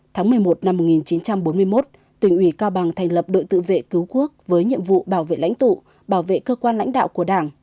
tháng một mươi một năm một nghìn chín trăm bốn mươi một tỉnh ủy cao bằng thành lập đội tự vệ cứu quốc với nhiệm vụ bảo vệ lãnh tụ bảo vệ cơ quan lãnh đạo của đảng